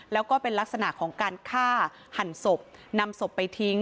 แล้วก็เป็นลักษณะของการฆ่าหันศพนำศพไปทิ้ง